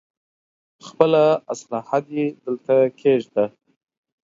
خپله اسلاحه دې دلته کېږده.